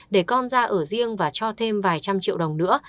để con ra ở riêng và cho thêm vài trăm triệu đồng nữa